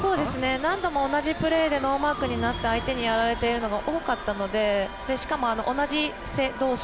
何度も同じプレーでノーマークになった相手にやられているのが多かったのでしかも同じ背どうし。